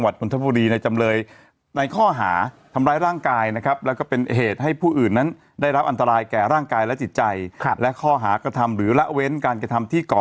ได้รับอันตรายแก่ร่างกายและติดใจและคอหากธรรมหรือละเว้นการกระทำที่เก่า